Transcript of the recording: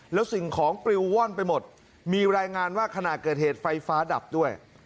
แล้วสิ่งของปลิวว่อนไปหมดมีรายงานว่าขณะเกิดเหตุไฟฟ้าดับด้วย